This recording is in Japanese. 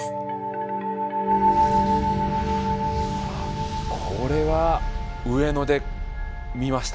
あっこれは上野で見ました。